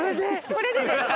これでです。